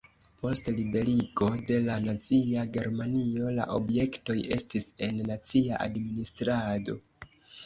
Post liberigo de la nazia Germanio la objektoj estis en nacia administrado.